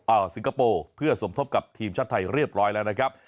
เอาสิงคโปร์เพื่อสมทบกับทีมชาติไทยเรียบร้อยแล้วนะครับ